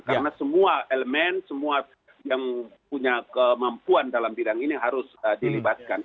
karena semua elemen semua yang punya kemampuan dalam bidang ini harus dilibatkan